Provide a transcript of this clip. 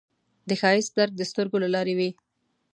د ښایست درک د سترګو له لارې وي